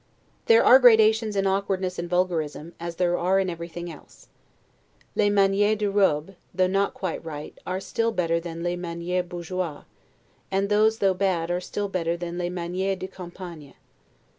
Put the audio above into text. There are gradations in awkwardness and vulgarism, as there are in everything else. 'Les manieres de robe', though not quite right, are still better than 'les manieres bourgeoises'; and these, though bad, are still better than 'les manieres de campagne'.